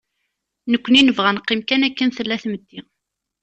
Nekni nebɣa ad neqqim kan akken tella tmetti.